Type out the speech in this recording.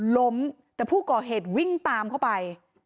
ล้มแต่ผู้ก่อเหตุวิ่งตามเข้าไป